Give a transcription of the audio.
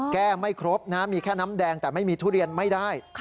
ไม่ครบนะมีแค่น้ำแดงแต่ไม่มีทุเรียนไม่ได้